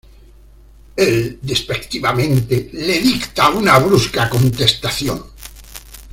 Él despectivamente le dicta una brusca contestación.